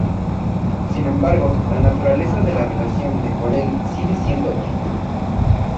Sin embargo, la naturaleza de su relación con Corelli sigue siendo oscura.